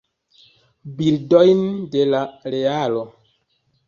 Bildojn de la realo.